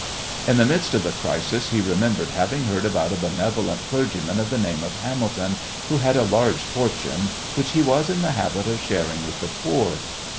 In the midst of the crisis he remembered having heard about a benevolent clergyman of the name of Hamilton, who had a large fortune, which he was in the habit of sharing with the poor.